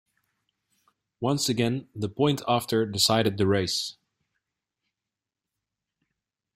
Once again, the point after decided the race.